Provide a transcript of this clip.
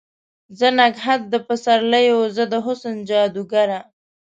زه نګهت د پسر لیو، زه د حسن جادوګره